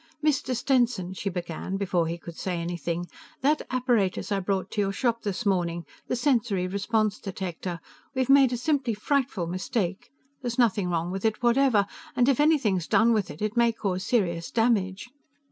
"Mr. Stenson," she began, before he could say anything: "That apparatus I brought to your shop this morning the sensory response detector we've made a simply frightful mistake. There's nothing wrong with it whatever, and if anything's done with it, it may cause serious damage."